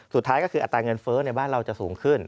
สุดท้ายก็คืออัตราเงินเฟ้อในบ้านเราจะสูงขึ้น